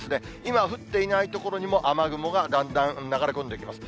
今、降っていない所にも雨雲がだんだん流れ込んできます。